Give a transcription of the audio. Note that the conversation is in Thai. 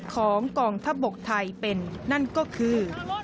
ของกองทัพบกไทยเป็นนั่นก็คือ